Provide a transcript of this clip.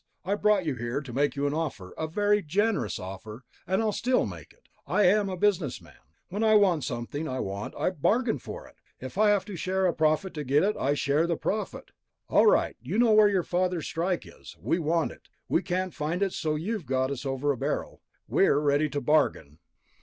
I brought you here to make you an offer, a very generous offer, and I'll still make it. I'm a businessman, when I want something I want I bargain for it. If I have to share a profit to get it, I share the profit. All right ... you know where your father's strike is. We want it. We can't find it, so you've got us over a barrel. We're ready to bargain."